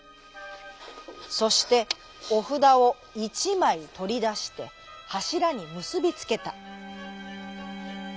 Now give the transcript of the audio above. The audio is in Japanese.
そしておふだをいちまいとりだしてはしらにむすびつけた。